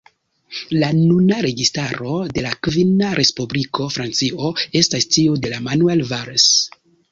La nuna registaro de la kvina Respubliko Francio estas tiu de Manuel Valls.